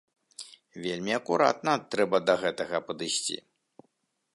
Вельмі акуратна трэба да гэтага падысці.